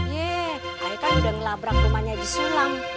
ye ayo kan udah ngelabrak rumahnya di sulam